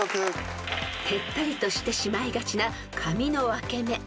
［ぺったりとしてしまいがちな髪の分け目］